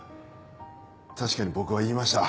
確かに僕は言いました。